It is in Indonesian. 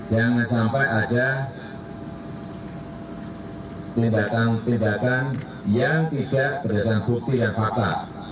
jangan sampai ada tindakan tindakan yang tidak berdasarkan bukti dan fakta